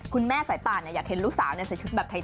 คุณแม่ใส่ปากเนี่ยอยากเห็นลูกสาวใส่ชุดแบบไทย